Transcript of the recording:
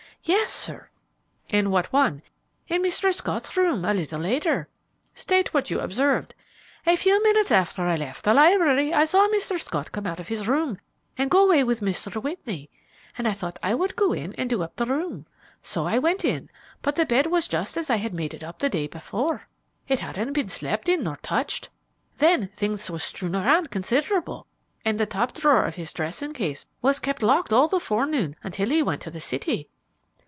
"Yes, sir." "In what one?" "In Mr. Scott's room, a little later." "State what you observed." "A few minutes after I left the library I saw Mr. Scott come out of his room and go away with Mr. Whitney, and I thought I would go in and do up the room. So I went in, but the bed was just as I had made it up the day before. It hadn't been slept in nor touched. Then things was strewn around considerable, and the top drawer of his dressing case was kept locked all the forenoon until he went to the city."